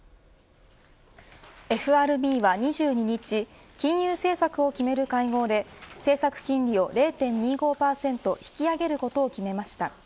ＦＲＢは２２日金融政策を決める会合で政策金利を０．２５％引き上げることを決めました。